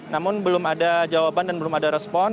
namun belum ada jawaban dan belum ada respon